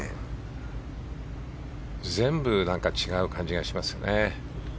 全部違う感じがしますね。